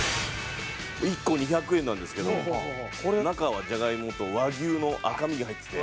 １個２００円なんですけど中はじゃがいもと和牛の赤身が入ってて。